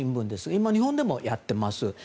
今、日本でもやっています。